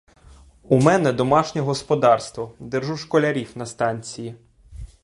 У мене домашнє господарство, держу школярів на станції.